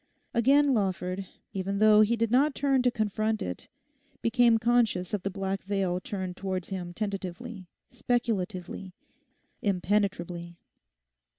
Again Lawford, even though he did not turn to confront it, became conscious of the black veil turned towards him tentatively, speculatively, impenetrably.